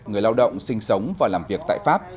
người lao động sinh sống và làm việc tại pháp